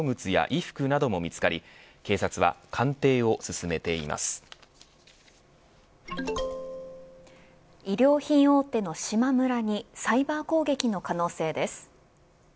衣料品大手のしまむらにサイバー攻撃の可能性です。